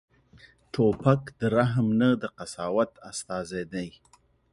توپک د رحم نه، د قساوت استازی دی.